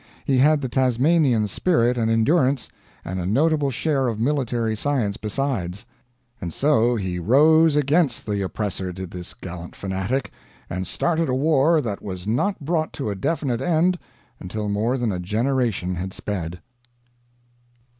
He had the Tasmanian's spirit and endurance, and a notable share of military science besides; and so he rose against the oppressor, did this gallant "fanatic," and started a war that was not brought to a definite end until more than a generation had sped.